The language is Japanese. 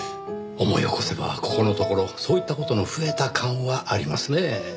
思い起こせばここのところそういった事の増えた感はありますねぇ。